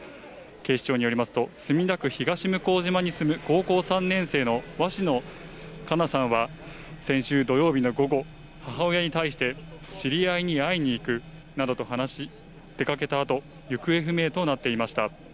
警視庁によりますと墨田区東向島に住む高校３年生の鷲野花夏さんは先週土曜日の午後、母親に対して知り合いに会いに行くなどと話して出かけたあと行方不明となっていました。